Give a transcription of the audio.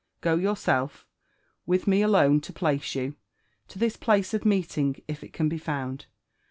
Go yourself, with me alone to placa you, to this place of meeting, if it ean be found.